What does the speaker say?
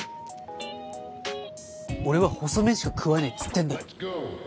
俺は細麺しか食わねえっつってんだろ